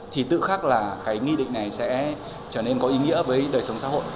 thì tự khắc là cái nghị định này sẽ trở nên có ý nghĩa với đời sống xã hội